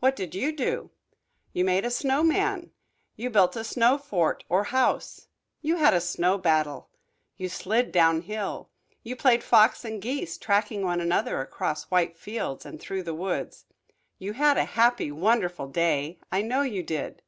What did you do? You made a snow man. You built a snow fort or house. You had a snowball battle. You slid down hill. You played fox and geese, tracking one another across white fields and through the woods. You had a happy, wonderful day, I know you did.